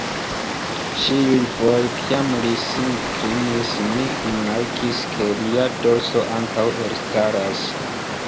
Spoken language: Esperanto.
Ĉiufoje kiam li sin klinis, mi rimarkis, ke lia dorso ankaŭ elstaras.